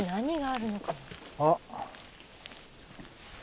あっ。